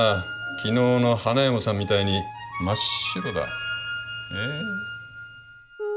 昨日の花嫁さんみたいに真っ白だ。